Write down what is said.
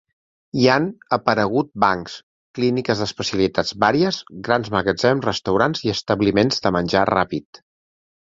Hi han aparegut bancs, clíniques d'especialitats vàries, grans magatzems, restaurants i establiments de menjar ràpid.